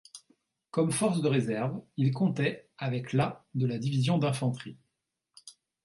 Comme forces de réserve, il comptait avec la de la division d'infanterie.